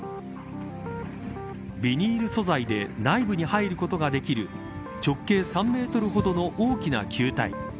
ビニール素材で内部に入ることができる直径３メートルほどの大きな球体。